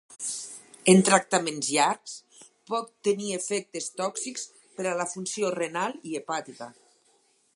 En tractaments llargs pot tenir efectes tòxics per a la funció renal i hepàtica.